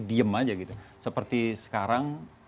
diem aja gitu seperti sekarang